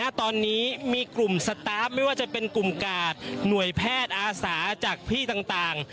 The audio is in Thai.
ณตอนนี้มีกลุ่มสตาร์ฟไม่ว่าจะเป็นกลุ่มกาดหน่วยแพทย์อาสาจากพี่ต่าง